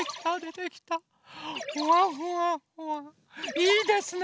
ふわふわふわいいですね。